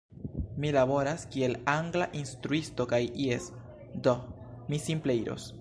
Mi laboras kiel angla instruisto. Kaj jes, do, mi simple iros!